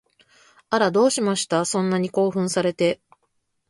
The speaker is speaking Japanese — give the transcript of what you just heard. あら、どうしました？そんなに興奮されて